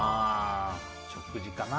食事かな。